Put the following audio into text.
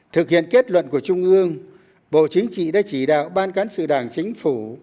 thực hiện kết luận của trung ương bộ chính trị đã chỉ đạo ban cán sự đảng chính phủ